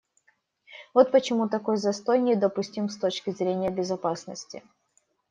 Вот почему такой застой недопустим с точки зрения безопасности.